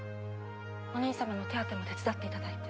お兄様の手当ても手伝っていただいて。